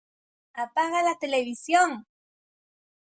¡Apaga la televisión!